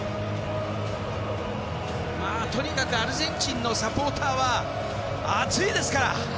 とにかくアルゼンチンのサポーターは熱いですから。